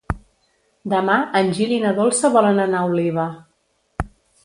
Demà en Gil i na Dolça volen anar a Oliva.